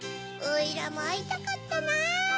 おいらもあいたかったな。